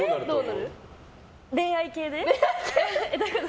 恋愛系で？